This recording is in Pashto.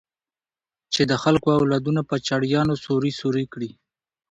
چې د خلکو اولادونه په چړيانو سوري سوري کړي.